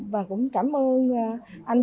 và cũng cảm ơn anh chủ